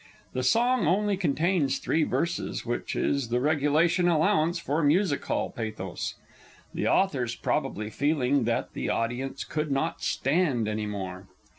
The song only contains three verses, which is the regulation allowance for Music hall pathos, the authors probably feeling that the audience could not stand any more.